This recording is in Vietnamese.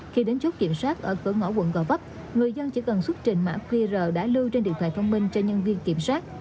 khi đến chốt kiểm soát ở cửa ngõ quận gò vấp người dân chỉ cần xuất trình mã qr đã lưu trên điện thoại thông minh cho nhân viên kiểm soát